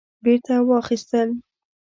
بیرته واخیستل